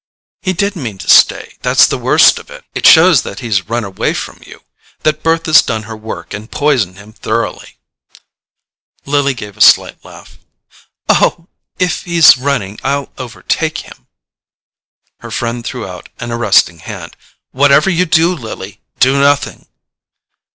"He did mean to stay—that's the worst of it. It shows that he's run away from you; that Bertha's done her work and poisoned him thoroughly." Lily gave a slight laugh. "Oh, if he's running I'll overtake him!" Her friend threw out an arresting hand. "Whatever you do, Lily, do nothing!"